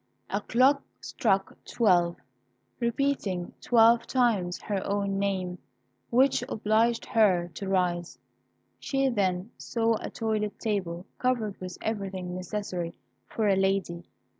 A clock struck twelve, repeating twelve times her own name, which obliged her to rise. She then saw a toilet table covered with everything necessary for a lady.